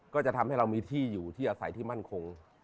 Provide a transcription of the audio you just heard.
ก็จะทำให้เรามีที่อยู่ที่อาศัยที่มั่นคง